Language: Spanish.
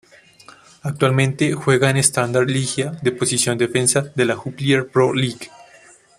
Actualmente juega en Standard Lieja de posición defensa de la Jupiler Pro League.